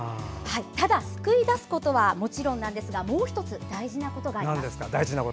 ただ、救い出すことはもちろんなんですがもう１つ、大事なことがあります。